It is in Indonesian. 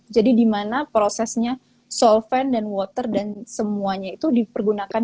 jadi dimana prosesnya solvent dan water dan semuanya itu dipergunakan